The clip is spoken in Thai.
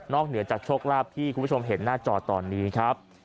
เหนือจากโชคลาภที่คุณผู้ชมเห็นหน้าจอตอนนี้ครับ